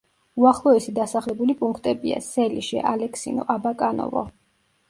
უახლოესი დასახლებული პუნქტებია: სელიშე, ალეკსინო, აბაკანოვო.